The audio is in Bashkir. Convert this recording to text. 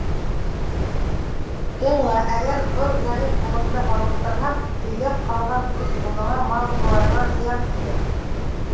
- Тыңла: әгәр был зәғиф улыңды һауыҡтырһам, өйҙә ҡалған өс улыңа, мал-тыуарыңа зыян килер.